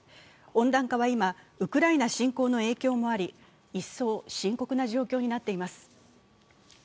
温暖化は今、ウクライナ侵攻の影響もあり、一層、深刻な状況になっています。